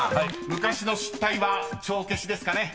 昔の失態は帳消しですかね？］